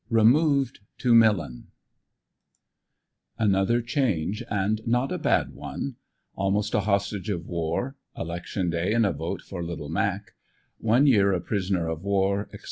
REMOVED TO MILLEN ANOTHER CHANGE AND NOT A BAD ONE — ALMOST A HOSTAGE OF WAR ELECTION DAY AND A VOTE FOR LITTLE MAC— ONE YEAR A PRIS ONER OF WAR, ETC.